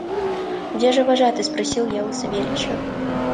– Где же вожатый? – спросил я у Савельича.